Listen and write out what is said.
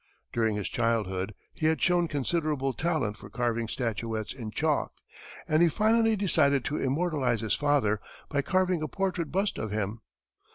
During his childhood, he had shown considerable talent for carving statuettes in chalk, and he finally decided to immortalize his father by carving a portrait bust of him.